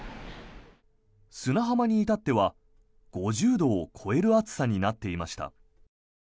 砂浜に至っては５０度を超える暑さになっていました。